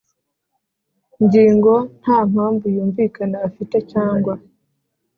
ngingo nta mpamvu yumvikana afite cyangwa